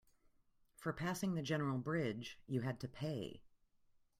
For passing the general bridge, you had to pay.